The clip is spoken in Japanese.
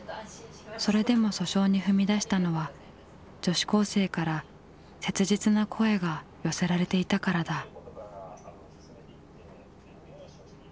それでも訴訟に踏み出したのは女子高生から切実な声が寄せられていたからだ。